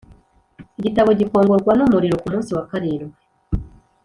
igitambo gikongorwa n umuriro Ku munsi wa karindwi